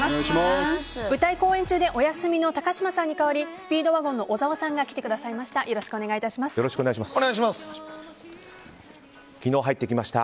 舞台公演中でお休み中の高嶋さんに代わりスピードワゴンの小沢さんが来てくださいました。